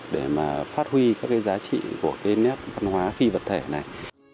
để mà phát huy các cái giá trị của cái nét văn hóa phi vật thể này